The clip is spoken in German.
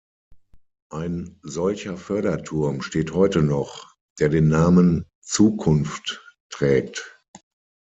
Ein solcher Förderturm steht heute noch, der den Namen "Zukunft" trägt.